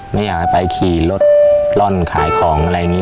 ไม่อยากให้ไปขี่รถร่อนขายของอะไรอย่างนี้